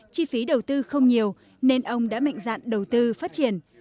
chi phí đầu tư không nhiều nên ông đã mạnh dạn đầu tư phát triển